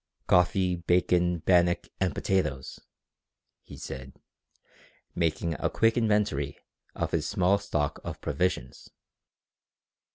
"Coffee, bacon, bannock, and potatoes," he said, making a quick inventory of his small stock of provisions.